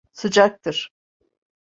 Sıcaktır.